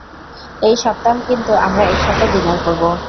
এই সপ্তাহ কিন্তু আমরা একসাথে ডিনার করবো।